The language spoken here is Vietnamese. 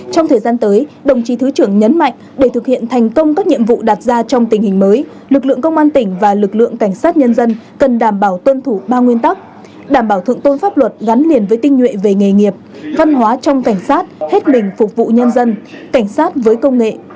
trong thời gian tới đồng chí thứ trưởng nhấn mạnh để thực hiện thành công các nhiệm vụ đặt ra trong tình hình mới lực lượng công an tỉnh và lực lượng cảnh sát nhân dân cần đảm bảo tuân thủ ba nguyên tắc đảm bảo thượng tôn pháp luật gắn liền với tinh nhuệ về nghề nghiệp văn hóa trong cảnh sát hết mình phục vụ nhân dân cảnh sát với công nghệ